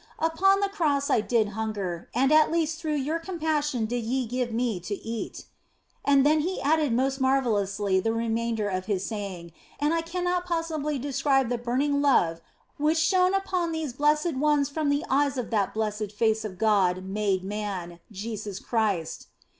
Upon the Cross I did hunger, and at least through your compassion did ye give Me to eat," and then He added most marvellously the remainder of His saying, and I cannot possibly describe the burning love which shone upon these blessed ones from the eyes of that blessed Face of God made Man, Jesus Christ.